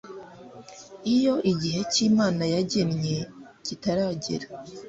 iyo igihe cyimana yagennye kitaragera